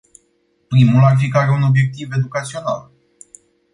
Primul ar fi că are un obiectiv educațional.